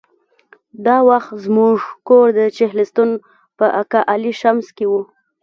دا وخت زموږ کور د چهلستون په اقا علي شمس کې و.